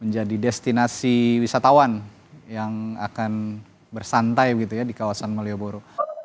jadi destinasi wisatawan yang akan bersantai di kawasan malioboro